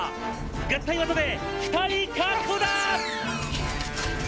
合体技で２人確保だぁ！！」